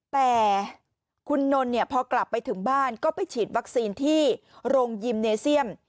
แต่คุณนนท์เนี่ยพอกลับไปถึงบ้านก็ไปฉีดวัคซีนที่โรงยิมเนเซียม